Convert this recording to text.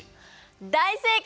大正解！